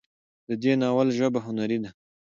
د دې ناول ژبه هنري ده